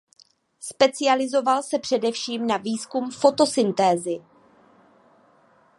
Specializoval se především na výzkum fotosyntézy.